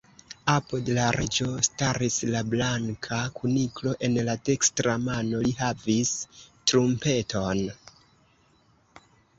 Apud la Reĝo staris la Blanka Kuniklo; en la dekstra mano li havis trumpeton.